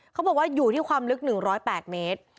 เขาบอกว่าอยู่ที่ความลึก๑๐๘เมตร